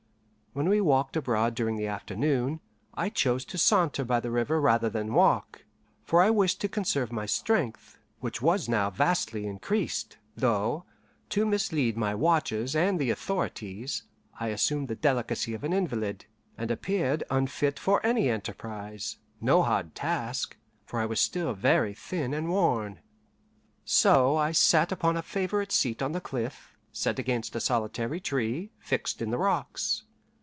When we walked abroad during the afternoon, I chose to saunter by the river rather than walk, for I wished to conserve my strength, which was now vastly increased, though, to mislead my watchers and the authorities, I assumed the delicacy of an invalid, and appeared unfit for any enterprise no hard task, for I was still very thin and worn. So I sat upon a favourite seat on the cliff, set against a solitary tree, fixed in the rocks.